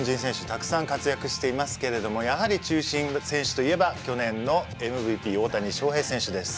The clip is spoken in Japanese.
たくさん活躍していますけれどもやはり中心選手といえば去年のＭＶＰ大谷翔平選手です。